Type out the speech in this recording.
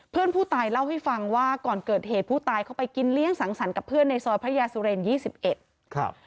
เพื่อนผู้ตายเล่าให้ฟังว่าก่อนเกิดเหตุผู้ตายเข้าไปกินเลี้ยงสังสรรค์กับเพื่อนในซอยพระยาสุเรน๒๑ครับ